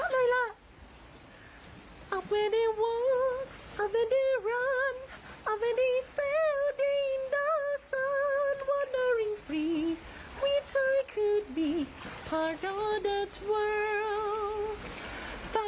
ข้างบนนั้นคงจะมีอะไรดีร้อนรูดอยู่เยอะเลยล่ะ